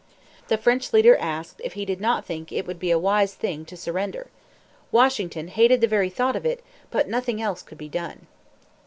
The French leader asked if he did not think it would be a wise thing to surrender. Washington hated the very thought of it; but nothing else could be done.